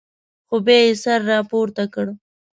خو بیا یې سر راپورته کړ.